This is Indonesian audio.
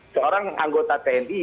seorang anggota tni